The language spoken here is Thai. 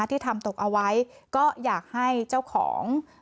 ไปตามหาเจ้าของ